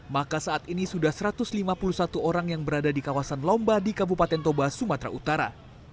maka saat ini sudah satu ratus lima puluh satu orang yang berada di kawasan lomba di kabupaten toba sumatera utara